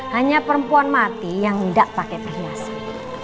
hanya perempuan mati yang enggak pakai perhiasan